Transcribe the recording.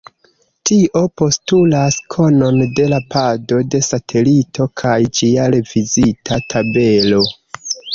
Tio postulas konon de la pado de satelito kaj ĝia revizita tabelo.